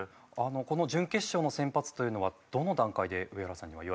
この準決勝の先発というのはどの段階で上原さんには言われてたんですか？